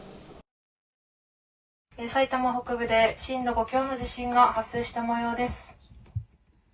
埼玉北部で震度５強の地震が発生した模様です。